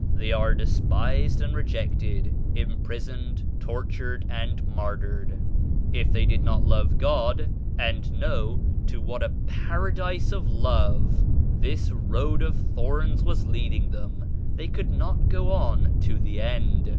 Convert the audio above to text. They are despised and rejected, im prisoned, tortured and martyred. If they did not love God and know to what a Paradise of Love this road of thorns was leading them, they could not go on to the end.